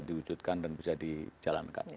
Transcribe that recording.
diwujudkan dan bisa dijalankan